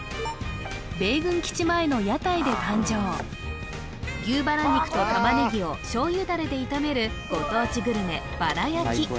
米軍基地前の屋台で誕生牛バラ肉とタマネギを醤油ダレで炒めるご当地グルメバラ焼き